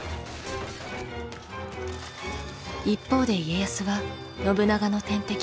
一方で家康は信長の天敵